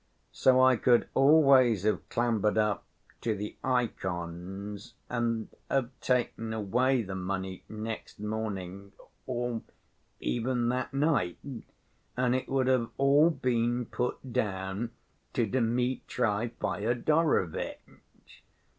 So I could always have clambered up to the ikons and have taken away the money next morning or even that night, and it would have all been put down to Dmitri Fyodorovitch.